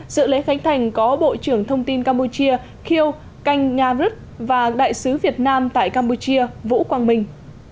sự lễ khánh thành có bộ trưởng thông tin campuchia khiêu canh nga rứt và đại sứ việt nam tại campuchia vũ quang minh